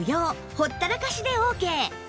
ほったらかしでオーケー